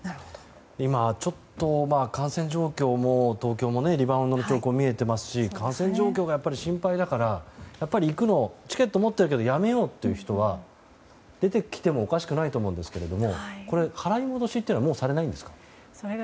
今、ちょっと感染状況も東京もリバウンドの兆候が見えてますし感染状況も心配だから行くのをチケット持っているけどやめようという人は出てきてもおかしくないと思うんですけれどもこれ、払い戻しはもうされないんですか？